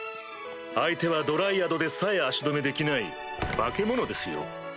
相手はドライアドでさえ足止めできない化け物ですよ？